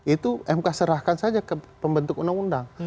itu mk serahkan saja ke pembentuk undang undang